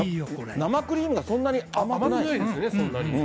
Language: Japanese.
生クリームがそんなに甘くない。